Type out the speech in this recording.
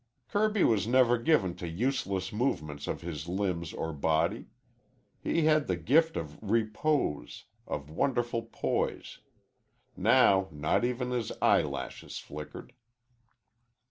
Kirby was never given to useless movements of his limbs or body. He had the gift of repose, of wonderful poise. Now not even his eyelashes flickered.